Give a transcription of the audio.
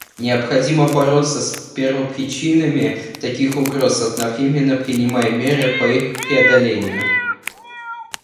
Необходимо бороться с первопричинами таких угроз, одновременно принимая меры по их преодолению.